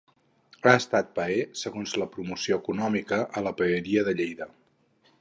Ha estat paer segon de Promoció Econòmica a la Paeria de Lleida.